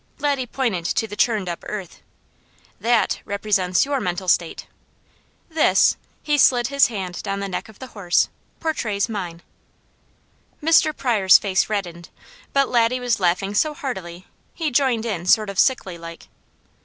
Laddie pointed to the churned up earth. "THAT represents your mental state; THIS" he slid his hand down the neck of the horse "portrays mine." Mr. Pryor's face reddened, but Laddie was laughing so heartily he joined in sort of sickly like.